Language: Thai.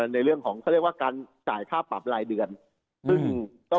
ในเรื่องของเขาเรียกว่าการจ่ายค่าปรับรายเดือนซึ่งก็